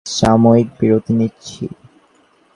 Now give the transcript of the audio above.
সেখানে অনুসন্ধান চালানোর জন্য সাময়িক বিরতি নিচ্ছি।